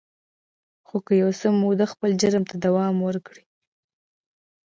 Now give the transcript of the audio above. خو که یو څه موده خپل جرم ته دوام ورکړي